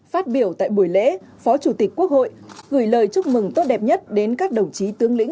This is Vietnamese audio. phát biểu tại buổi lễ phó chủ tịch quốc hội gửi lời chúc mừng tốt đẹp nhất đến các đồng chí tướng lĩnh